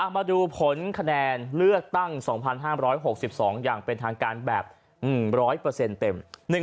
มาดูผลคะแนนเลือกตั้ง๒๕๖๒อย่างเป็นทางการแบบ๑๐๐เต็ม